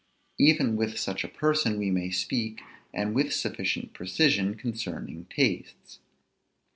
Even with such a person we may speak, and with sufficient precision, concerning tastes.